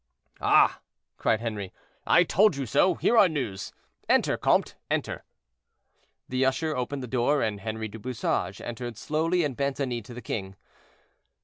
"Ah!" cried Henri, "I told you so; here are news. Enter, comte, enter." The usher opened the door, and Henri du Bouchage entered slowly and bent a knee to the king.